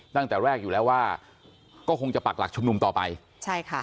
ตั้งแต่แรกอยู่แล้วว่าก็คงจะปักหลักชุมนุมต่อไปใช่ค่ะ